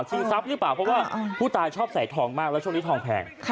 ทรัพย์หรือเปล่าเพราะว่าผู้ตายชอบใส่ทองมากแล้วช่วงนี้ทองแพง